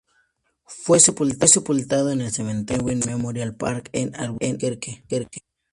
Fue sepultado en el cementerio Fairview Memorial Park en Albuquerque.